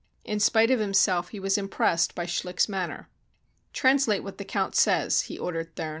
In spite of himself he was impressed by Schlick's manner. "Translate what the count says," he ordered Thurn.